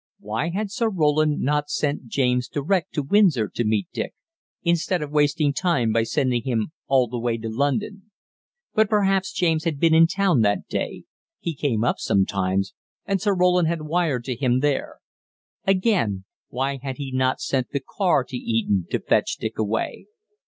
Why had Sir Roland not sent James direct to Windsor to meet Dick, instead of wasting time by sending him all the way to London? But perhaps James had been in town that day he came up sometimes and Sir Roland had wired to him there. Again, why had he not sent the car to Eton to fetch Dick away?